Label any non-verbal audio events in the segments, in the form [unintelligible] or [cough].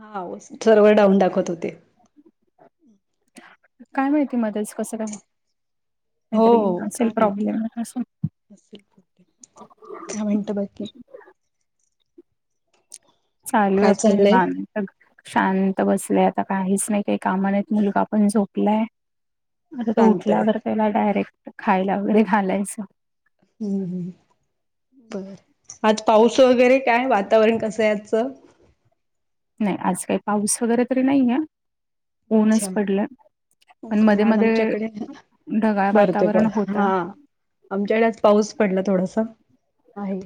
हा server down दाखवत होते काय माहिती मदस कसं काय काहीतरी असेल प्रॉब्लेम कामनट बकी चालू आहे काय आपलं चाललंय लान शांत बसलेय आता काहीच नाही काही कामानेत मुलगा आपण झोपलाय अरे तो शांत आहे उठल्यावर त्याला डायरेक्ट खायला वगैरे घालायचं हम् बर आज पाऊस वगैरे काय वातावरण कसं आहे आजचं नाही आज काही पाऊस वगैरे तरी नाही आहे ऊनच पडलं के आज आमच्याकडे ढगाळ बरते ब वातावरण हा होतं आमच्याकडे आज पाऊस पडला थोडासा आहे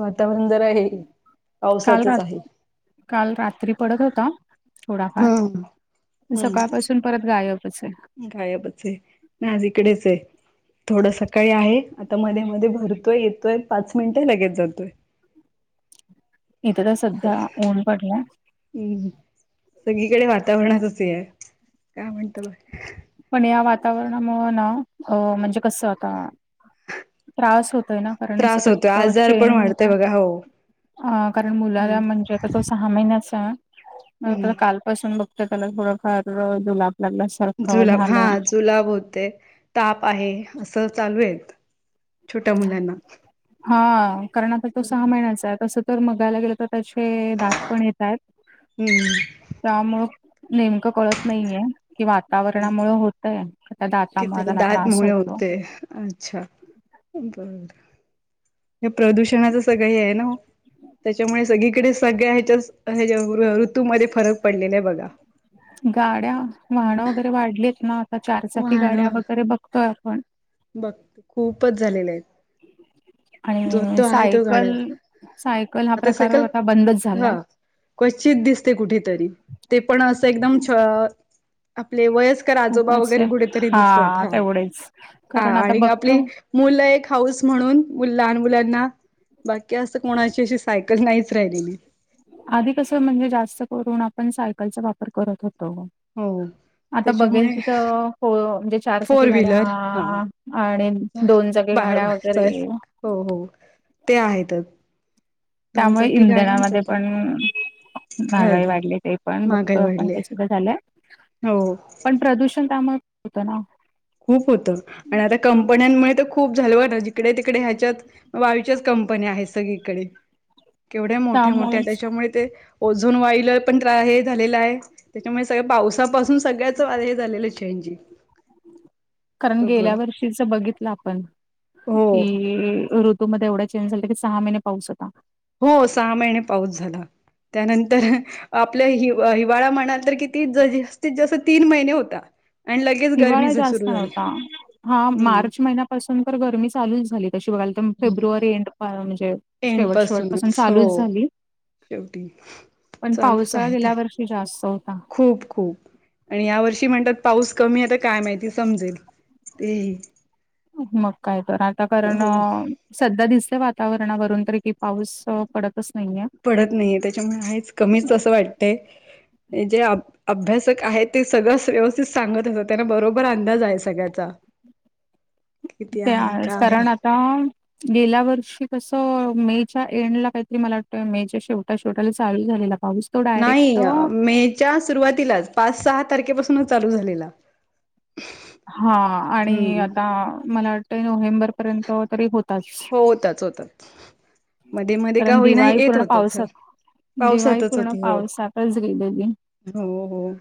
वातावरण जर आहे काल रात काल रात्री पडत होता थोडाफार हम्म हम्म सकाळपासून परत गायबच आहे गायबच आहे ना आज इकडेच आहे थोडं सकाळी आहे आता मध्ये मध्ये भरतोय येतोय पाच मिनिटं लगेच जातोय [inaudible] इथं तर सध्या ऊन पडला हम्म सगळीकडे वातावरणातच आहे काय म्हणत बघ पण या वातावरणामुळं ना अ म्हणजे कसं होता त्रास होतोय ना कारण त्रास सतत होतो आजार पण चें वाढते बघा हो कारण हम्म मुलाला म्हणजे तो सहा महिन्याचा हम्म कालपसून बघत त्याला थोडफार दुलाप लागला अस जुलाब हा जुलाब होते ताप आहे असं चालू आहे हा करण आचा तो सहा महिन्याचा आहे तस जर मगायला गेलं तर त्याचे दात पण येत आहेत हम्म त्यामुळं नेमकं कळत नाहीये कि वातावरणामुळे होतय त्या दातामुळे त्याला त्रास होतो ते अच्छा बर हे प्रदूषणाच सगळं हे आहे ना त्याच्यामुळे सगळीकडे सगळ्या ह्याच्या ह्याच्या ऋतूमध्ये फरक पडलेला आहे बघा गाड्या वाहनं वगैरे वाढलीत ना आता चारचाकी गाड्या वाहनं वगैरे बघतोय आपण बघ खूपच झालेलं आहे आणि तो गाडा सायकल सायकल हा प्रकार आता बंदच हा झालाय क्वचित दिसते कुठेतरी ते पण असं एकदम आपले वयस आोबा वगैरे कुठेतरी दिसतात हा प हा आणि आपली मुलं एक हाऊस म्हणून लहान मुलांना बाकी असं कोणाची अशी सायकल नाहीच राहिली मी आधी कसं म्हणजे जास्त करून आपण सायकलचा वापर करत होतो हो आता बघेल त्याच्यामुळे तिथं हो म्हणजे चारचाकी फोर गाड्या व्हीलर हा आणि दोनचाकीी बा गाड्या वगैरे हो हो ते आहेतच दोन त्यामुळे चाकी इंधनामध्ये गाड्यांसाठी पण महागाई वाढली ते पण बघतो महागाई आपण वाढली का सुद्धा झालंय हो पण प्रदूषण त्यामुळे होतं ना खूप होत आणि आता कंपन्यांमुळे तर खूप झालव ना जिकडे तिकडे ह्याच्यात मग बाईच्याच कंपनी आहेत सगळीकडे केवढ्या मोठ्या मोठ्या त्यामुळेच त्याच्यामुळे ते ओझोन वाईल पण हे झालेला आहे त्याच्यामुळे सगळ पावसापासून सगळ्याच हे झालेलं न जी कारण गेल्या वर्षीच बघितलं आपण हो कि ऋतूमध्ये एवढा चेंज झाला की सहा महिने पाऊस होता हो सहा महिने पाऊस झाला त्यानंतर आपल्या हि हिवाळा म्हणाल तर कि त जास्तीत जास्त तीन महिने होता आणि लगेच गरमी हिवाळा जास्त सुरू झाली नव्हता हा हम्म मार्च महिन्या पासून तर गरमी चालूच झाली कशी बघायल तर फेब्रुवारी एंड म्हणजे एंड शेवट, शेवट पासून पासूनच हो चालूच झाली शेवटी पण चालूच पावसाळा आहे ते गेल्या वर्षी जास्त होता. खूप, खूप आणि या वर्षी म्हणतात पाऊस कमी आहेता काय माहिती समजेल. ते... मग काय तर आता कारण हो सध्या दिसते वातावरणावरून तर कि पाऊस पडतच नाहीये. पडत नाहीये त्याच्यामुळे आहेच कमीच तं वाटतय जे अभ्यासक आहे ते सगळं व्यवस्थित सांगत असतात त्यांना बरोबर अंदाज आहे सगळ्याचा कती आहे का आहे पान गेल्या वर्षी कसं मेच्या एंडला काहीतरी मला वाटतं मेच्या शेवट्या शेवटाला चालू झालेला पाऊस तो डायरेक्ट नाही मेच्या सुरुवातीलाच पाच सहा तारखेपासूनच चालू झालेला हा आणि हम्म आता मला वाटतं नोव्हेंबर पर्यंत तरी होत. हो होताच, होताच मध्ये, मध्ये का कारण होईना दिवाळी येत पूर्ण होताच. पावसात दिवाळी पावसातच पूर्ण होती हो, पावसातच गेलेली हो, हो.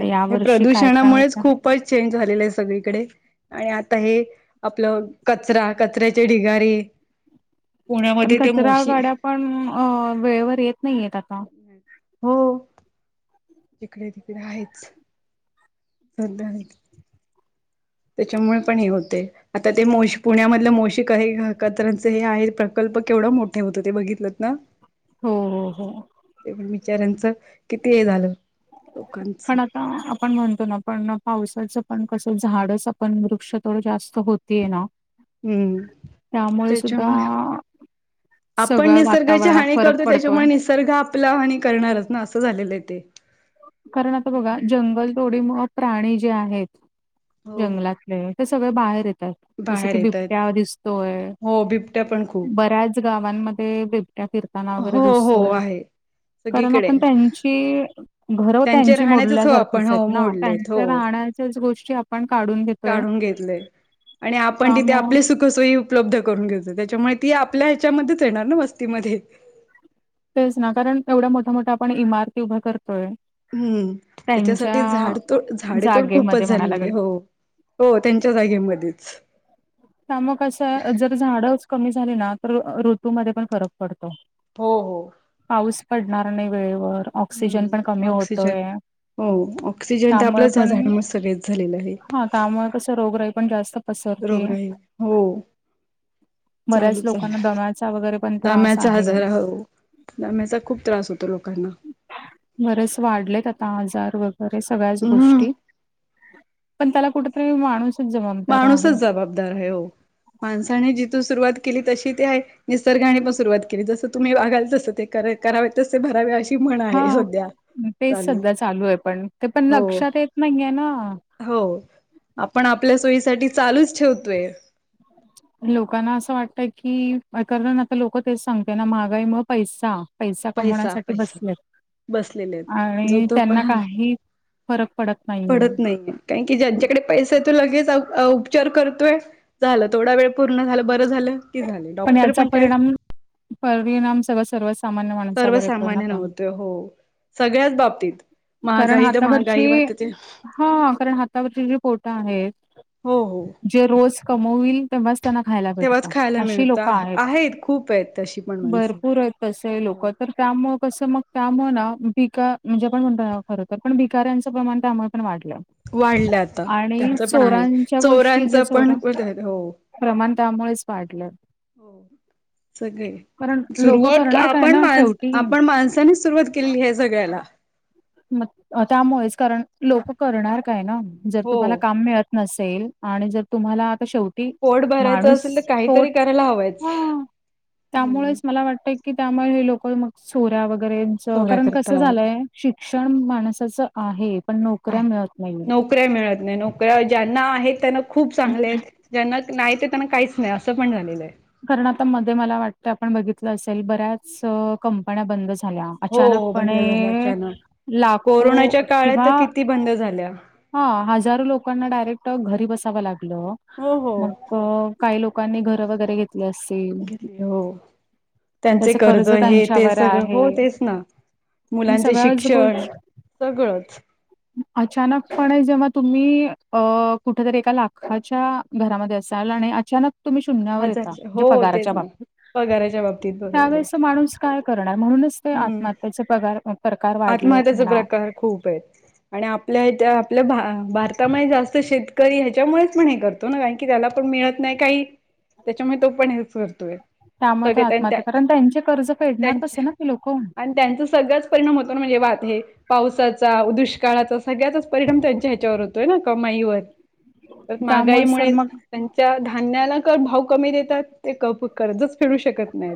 तर या हे वर्षी काय काय प्रदूषणामुळेच होता खूप खूपच चेंज झालेलं आहे सगळीकडे आणि आता हे आपल कचरा कचऱ्याचे ढिगारी पण कचरा गाड्या पण अ वेळेवर येत नाहीयेत आता. हो. जिकडे तिकडे आहेच. [unintelligible] त्याच्यामुळे पण हे होते आता ते मोशी पुण्यामधलं मोशिक आहे काचऱ्यांचे हे आहेत प्रकल्प केवढं मोठे होतं ते बघितलंत ना. हो, हो, हो. ते पण बिचार्यांचं किती हे झालं लोकांच. पण आता आपण म्हणतो ना पण पावसाचं पण कसं झाडाच पण वृक्ष थोडं जास्त होत ते ना हम्म त्यामुळे सुद्धा त्याच्यामुळे आपण सगळं निसर्गाची वातावरणात हानी फरक करतो पडतोय. त्याच्यामुळे निसर्ग आपला आणि करणारच ना असं झालेलं आहे ते. कारण आता बघा जंगल तोडीमुळ प्राणी जे आहेत हो जंगलात. ते सगळे बाहेर येतात जस बाहेर की येत आहेत बिबट्या दिसतोय हो बिबट्या पण खूप बऱ्याच गावांमध्ये बिबट्या फिरताना वगैरे हो दिसत हो आहे कारण सगळीकडे आपण त्यां की घर त्यांचे त्यांची राहण्याचेच हो मोडल्यासारखच आपण हो आहेत ना मोडलेत त्यांच्या हो राहण्याच्याच गोष्टी आपण काढून घेत. काढून घेतले आहे आणि आपण तिथे त्यामुळं आपली सु सोयी उपलब्ध करून घेतो त्याच्यामुळे ती आपल्या ह्याच्यामध्येच येणार ना वस्तीमध्ये. तेच ना कारण एवढा मोठा मोठा आपण इमारती उभं करतोय. हम्म त्यांच्या त्याच्यासाठी झाडतोड झाडेेतोड जागेमध्ये खूपच म्हणायला झाली गेलं. हो. हो त्यांच्या जागे मध्येच. त्यामुळे कसं जर झाडच कमी झाली ना तर ऋतूमध्ये पण फरक पडतो. हो हो. पाऊस पडणार नाही वेळेवर ऑक्सिजन पण हम्म कमी ऑक्सिजन होतोय. हो ऑक्सिजन तर आपल्या त्यामुळे झा पण झाडमुळे सगळच झालेलं आहे. हा त्यामुळे कसं रोगराही पण जास्त पसरत रोगराई हो. बऱ्याच लोकांना दम्याचा वगैरे प दाम्याचा आजारा हो दाम्याचा खूप त्रास होतो लोकांना बरेच वाढलेत आता आजार वगैरे सगळ्याच हम्म गोष्टी पण त्याला कुठेतरी माणूस माणूसच जबाबदार आहे हो माणसाने जिथून सुरुवात केली तशी ते आहे. निसर्गाने पण सुरुवात केली जसं तुम्ही वाघाल तस ते करावे तस ते भरावे म्हण हा आहे सध्या तेच सध्या चालू आहे पण ते पण हो लक्षात येत नाहीये ना हो आपण आपल्या सोयीसाठी चालूच ठेवतोय लोकांना असं वाटतय की करण ना तर लोक तेच सांगते ना महागाई मग पैसा पैसा कमवण्यासाठी बसलेत बसलेले आहेत जो आणि तो प त्यांना काही फरक पडत नाहीये. का की ज्यांच्याकडे पैसाय तो लगेच उपचार करतोय झाला थोडा वेळ पूर्ण झाल बरं झालं की झा डॉक्टर याचा पण काय परिणाम परिणाम सगळ सर्व सामान्य माणसावर यो ना सर्वसामान्य पण नव्हते हो सगळ्याच बाबतीत महागाई तर महागाई वाटते हा कारण हातावरची जी पोटं आहेत हो हो जे रोज कमवल तेव्हाच त्यांना खायला भेटत तेव्हाच खायला अशी लोक मिळतं आहेत खूप आहेत तशी पण माणसं भरपूर तस आहे लोक हो तर त्यामु कसं मग त्यामु ना पिक म्हणजे ण म्हणतो खर तर पण भिकाऱ्यांचं प्रमाण त्यामुळे पण वाढलं वाढलं आता आणि त्यांच पण आहे चोरांच्या गोष्टी ज्या चोर्यांचं पण चोरा म्ह हो प्रमाण त्यामुळेच वाढलं हो सगळे कारण लोकं सुरवात करणार काय आपण ना माण शेवटी आपण माणसानीच सुरुवात क हे जग्याला म त्यामुळेच कारण लोक करणार काय ना जर हो तुम्हाला काम मिळत नसेल आणि जर तुम्हाला आता शेवटी पोट भरायचं असेल तर माणूसोट काहीतरी करायला हवायच त्यामुळेच मला वाटत कि त्यामुळे हे लोक मग चोऱ्या वगैरेच चोऱ्या कारण कसं करतात झालंय शिक्षण माणसाचं आहे पण नोकऱ्या आहे मिळत नाही नोकऱ्या मिळत नाही नोकऱ्या ज्यांना आहेत त्यांना खूप चांगले ज्यांना नाही ते त्यांना काहीच नाही अस असं पण झालेलं आहे कारण आता मध्ये मला वाटत आपण बघितलं असेल बऱ्याच कंपन्या बंद झा हो हो बंद झालं अचानकपणे अचानक लाखो कोरोनाच्या काळात किंवा तर किती बंद झाल्या हा हजारो लोकांना डायरेक्ट घरी बसावं लागलं हो हो अ मग काही लोकांनी घर वगैरे घेतली असते ग हो त्यांचे त्याचं कर्ज हे ते त्यांच्यावर सगळं हो आहे. तेच ना मग मुलांचे सगळ्याच शिक्षण सगळंच अचानक पण आहे जेव्हा तुम्ही अ कुठेतरी एका लाखाच्या घरामध्ये असाल आणि अचानक तुम्ही शून्यावर येता हजार म्हणजे हो पगाराच्या तेच ना बाबतीत पगाराच्या बाबतीत बरोबर आहे त्यावेळे माणूस काय करणार म्हणूनच ते हम्म आत्महत्यचे पगार प्रकार वाढलेत आत्महत्याचे म्हणा प्रकार खूप आहेत आणि आपल्याच्या आपल्या भारतामध्ये जास्त शेतकरी ह्याच्यामुळेच पण हे करत की त्याला पण मिळत नाही काही त्याच्यामुळे तो पण हेच करतोय त्यामुळे तो सगळे त्यां आत्महत्या कारण त्यांचे कर्ज पेडणार त्यांच्या कसे ना की लोक आणि त्यांचा सगळंच परिणाम होतो ना म्हणजे वाात हे पावसाचा दुष्काळाचा सगळ्यातच परिणाम त्यांच्या ह्याच्यावर होतोय ना कमाईवर तरग त्यामुळेच तर महागाईमुळे मग त्यांच्या धान्याला तर भाव कमी देतात ते क करतच फिडू शकत नाही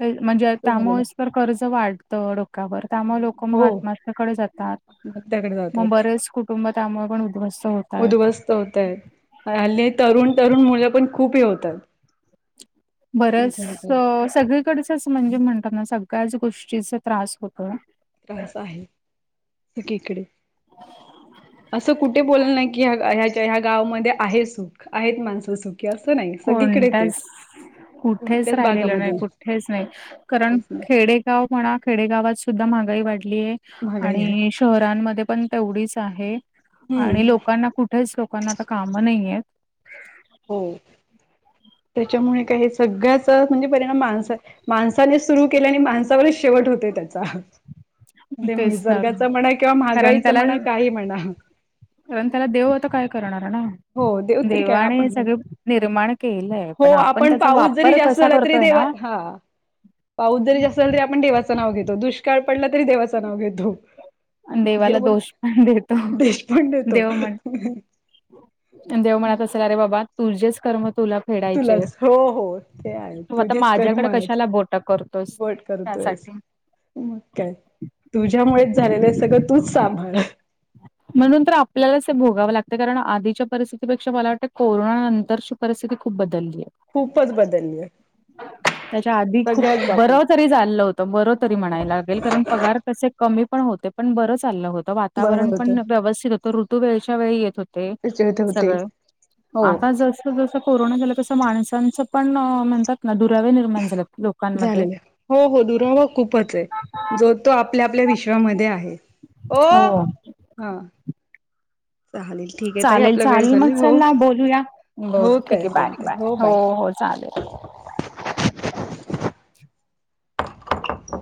म्हणजे त्यामुळेच तर कर्ज वाढतं डोक्यावर त्यामुळे लोक मग हो आत्माश त्याकडे जातात आत्महत्याकडे जातात. मग बरेच कुटुंब त्यामुळे पण उद्ध्वस्त होत आहेत होतय हल्ले तरुण तरुण मुलं पण खूप होतात बरच त्यांच्या ह्याच्यात सगळीकडच म्हणजे म्हणत ना सगळ्याच गोष्टीचा त्रास होत त्रास आहे सगळीकडे असं कुठे बोलल नाही की ह ह्या ह्या गावामध्ये आहेसू आहेत माणसंसु की असं नाही सगळीकडे कोणत्याच तेच कुठेच कोणत्याच राहिलेलं भागामध्ये नाही कुठेच नाही कारण कुठेच नाही खेडे ाव म्हणा खेडेगावात सुद्धा महागाई वाढलीय महागाई आहे. आणि शहरांमध्ये पण तेवढीच आहे आणि हम्म लोकांना कुठेच लोकांना आता काम नाहीय आहेत हो त्याच्यामुळे काय सगळ्याचा म्हणजे परिणाम माणसा माणसाने सुरू केल्या आणि माणसावरच शेवट होतेय त्याचा ते तेच तर निसर्गाच म्हणा किंवा कारण महागाईच त्याला म्हणा काही म्हणा कारण त्याला देवत काय करणार ना हो देव तरी काय देवाने आपण सगळे निर्माण केलंय हो पण आपण त्याचा पाऊस जरी वापर जास्त कसा झाला तरी करतोय देवा ना हा पाऊस जरी असल तरी आपण देवाचं नाव घेतो दुष्काळ पडला तरी देवाचं नाव घेतो दे देवाला बोल दोष पण देतो देश पण देतो देव म्हण देव म्हणत असेल अरे बाबा तुझेच कर्म तुला फेडायचे तुलाच हो हो ते आहे तू आता तुझेच कर्म माझ्याकडे आहेत कशाला बोटा करत त वट करतोयस त्यासाठी मग काय तुझ्यामुळेच झालेलं सगळं तूच सांभाळ म्हणून तर आपल्यालाच हे भोगावं लागत कारण आधीच्या परिस्थितीपेक्षा मला वाटतं कोरोना नंतर परिस्थिती खूप बदलली आहे खूपच बदलली त्याच्या आधी खूप सगळ्याच बर बाबतीत तरी लं होत बर तरी हो म्हणायला लागेल कारण पगार कसे कमी पण होते पण बरं चाललं होतं बरं वातावरण होत पण व्यवस्थित होतं ऋतू वेळच्या वेळी येत होते ते त्याच्यात होते सगळे हो आता जस जस कोरोना झालं तस माणसच पण म्हणतात दुरावे निर्माण झालेत लोकांमध्ये झालेलं आहे. हो हो दुरावा खूपच आहे जो तो आपल्या आपल्या विश्वामध्ये आहे हो हा चालेल ठीक आहे ताई चालेल आपला वेळ चालेल झाली मग हो चला बोलूया बोल हो ठीक आहे कळतील बाय तर बाय हो हो चालेल